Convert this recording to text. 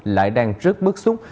lại đang rước bước xuống